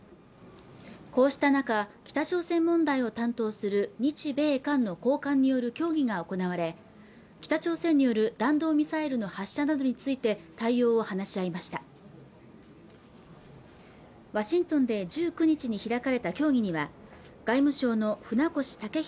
こうした中北朝鮮問題を担当する日米韓の高官による協議が行われ北朝鮮による弾道ミサイルの発射などについて対応を話し合いましたワシントンで１９日に開かれた協議には外務省の船越健裕